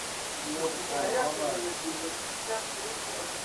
صادرات عمدهی آنها زغالسنگ است.